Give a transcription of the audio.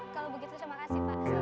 kalau begitu terima kasih pak